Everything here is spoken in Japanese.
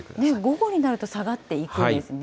午後になると下がっていくんですね。